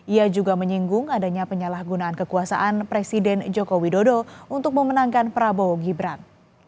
ia juga menyinggung adanya penyalahgunaan kekuasaan presiden joko widodo untuk memenangkan prabowo gibran